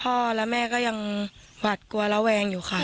พ่อและแม่ก็ยังหวัดกลัวระแวงอยู่ค่ะ